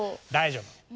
大丈夫。